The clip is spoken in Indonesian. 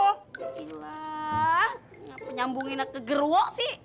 gila kenapa nyambungin ke gerwo sih